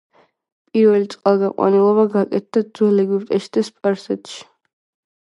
პირველი წყალგაყვანილობა გაკეთდა ძველ ეგვიპტეში და სპარსეთში.